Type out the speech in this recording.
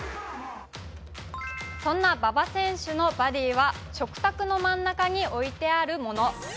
そんな馬場選手のバディは食卓の真ん中に置いてあるもの。